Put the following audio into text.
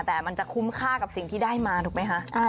แต่มันจะคุ้มค่ากับสิ่งที่ได้มาถูกไหมคะ